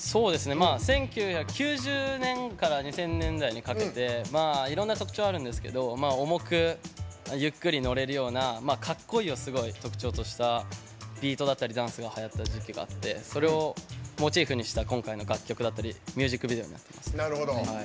１９９０年代から２０００年代にかけていろんな特徴があるんですけど重くゆっくりのれるようなかっこいいをすごい特徴としたビートだったりダンスだったりはやった時期があってそれをモチーフにした今回の楽曲だったりミュージックビデオになってます。